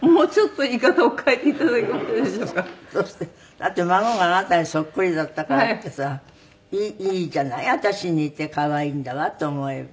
だって孫があなたにそっくりだったからってさいいじゃない私に似て可愛いんだわと思えば。